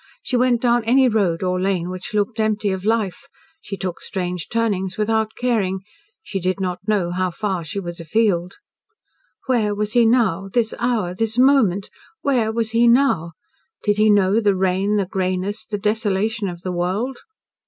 She went down any road or lane which looked empty of life, she took strange turnings, without caring; she did not know how far she was afield. Where was he now this hour this moment where was he now? Did he know the rain, the greyness, the desolation of the world?